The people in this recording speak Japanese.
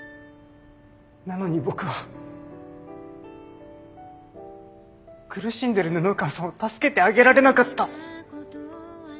なのに僕は苦しんでる布川さんを助けてあげられなかった。